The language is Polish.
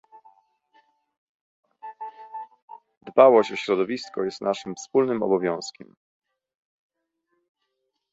Dbałość o środowisko jest naszym wspólnym obowiązkiem